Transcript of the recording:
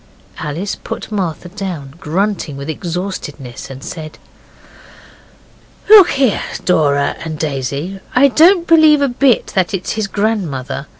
Alice put Martha down, grunting with exhaustedness, and said 'Look here, Dora and Daisy, I don't believe a bit that it's his grandmother.